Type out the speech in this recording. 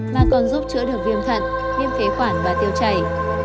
mà còn giúp chữa được viêm thận nghiêm khế khoản và tiêu chảy